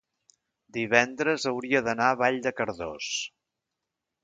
divendres hauria d'anar a Vall de Cardós.